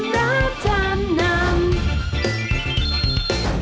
รับจำนำ